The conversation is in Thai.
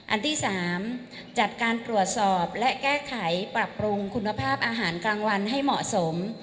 อันที่๓จัดการตรวจสอบและแก้ไขปรับปรุงคุณภาพอาหารกลางวันให้เหมาะสม